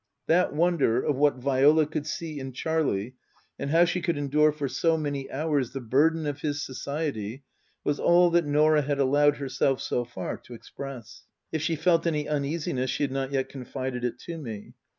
That wonder, of what Viola could see in Charlie, and how she could endure for so many hours the burden of his society, was all that Norah had allowed herself, so far, to express. If she felt any uneasiness she had not yet confided it to me.